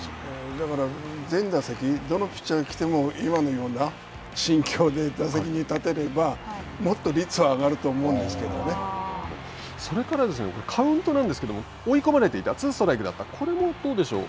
だから、全打席、どのピッチャーが来ても今のような心境で打席に立てれば、もっと率は上がると思それから、カウントなんですけれども、追い込まれていた、ツーストライクだったこれもどうでしょう。